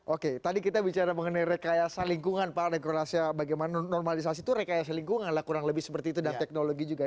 oke tadi kita bicara mengenai rekayasa lingkungan pak dekorasi bagaimana normalisasi itu rekayasa lingkungan lah kurang lebih seperti itu dan teknologi juga ya